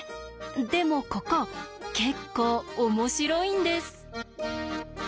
でもここ結構面白いんです。